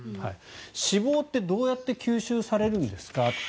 脂肪ってどうやって吸収されるんですか。